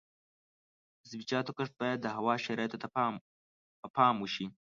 د سبزیجاتو کښت باید د هوا شرایطو ته په پام وشي.